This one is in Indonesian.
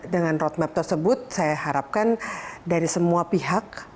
dengan roadmap tersebut saya harapkan dari semua pihak